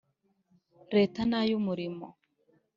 Leta n ay umurimo